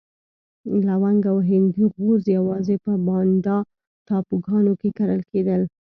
لونګ او هندي غوز یوازې په بانډا ټاپوګانو کې کرل کېدل.